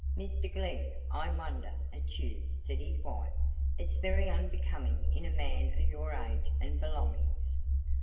"Mr Glegg, I wonder at you," said his wife. "It's very unbecoming in a man o' your age and belongings."